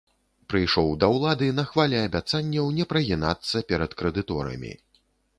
Прыйшоў да ўлады на хвалі абяцанняў не прагінацца перад крэдыторамі.